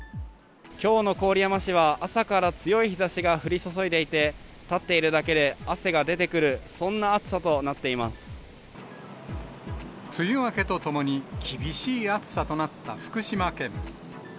きょうの郡山市は、朝から強い日ざしが降り注いでいて、立っているだけで汗が出てく梅雨明けとともに、厳しい暑さとなった福島県。